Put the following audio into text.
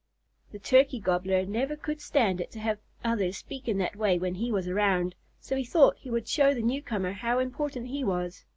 The Turkey Gobbler never could stand it to have others speak in that way when he was around, so he thought he would show the newcomer how important he was.